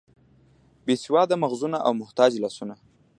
بې سواده مغزونه او محتاج لاسونه.